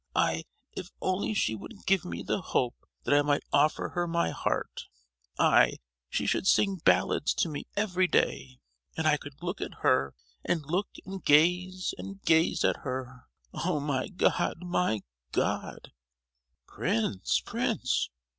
I—if only she would give me the hope that I might offer her my heart, I—she should sing ballads to me every day; and I could look at her, and look and gaze and gaze at her.——Oh, my God! my God!" "Prince, Prince!